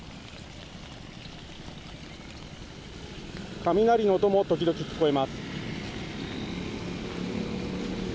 雷の音も時々聞こえます。